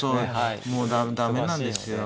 もう駄目なんですよ。